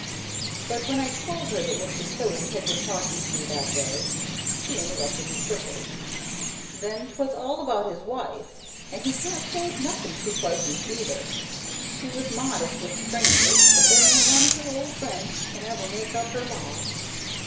But when I told her that Mr. Tilley had been talking to me that day, she interrupted me quickly. "Then 'twas all about his wife, an' he can't say nothin' too pleasant neither. She was modest with strangers, but there ain't one o' her old friends can ever make up her loss.